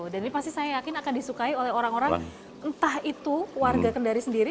dan ini pasti saya yakin akan disukai oleh orang orang entah itu warga kendari sendiri